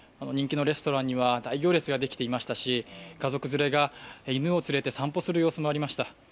人気のレストランには大行列ができていましたし、家族連れが犬を連れて散歩をする様子もありました。